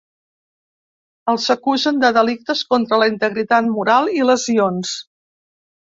Els acusen de delictes contra la integritat moral i lesions.